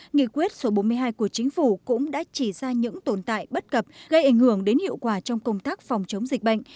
nghị quyết số bốn mươi hai của chính phủ cũng đã chỉ ra những tồn tại bất cập gây ảnh hưởng đến hiệu quả trong công tác phòng chống dịch bệnh